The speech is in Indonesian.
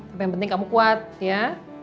apa yang penting kamu kuat ya